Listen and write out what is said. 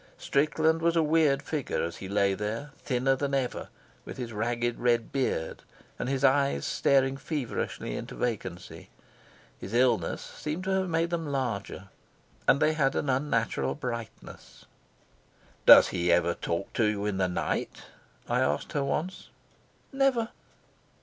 Strickland was a weird figure as he lay there, thinner than ever, with his ragged red beard and his eyes staring feverishly into vacancy; his illness seemed to have made them larger, and they had an unnatural brightness. "Does he ever talk to you in the night?" I asked her once. "Never."